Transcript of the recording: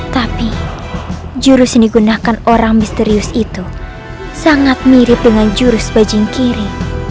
tapi jurus yang digunakan orang misterius itu sangat mirip dengan jurus bajing kiri